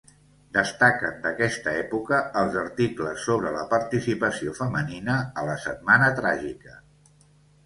Destaquen d'aquesta època els articles sobre la participació femenina a la Setmana Tràgica.